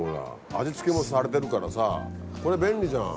味付けもされてるからさこれ便利じゃん。